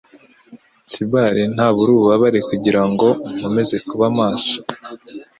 sball ntabura ububabare kugirango nkomeze kuba maso.